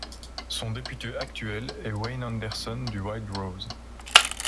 Son député actuel est Wayne Anderson du Wildrose.